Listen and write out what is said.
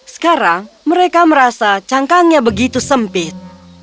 sekarang mereka merasa cangkangnya begitu sempit